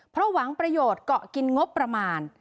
เพราะหวังประโยชน์เกาะกินงบประมาณ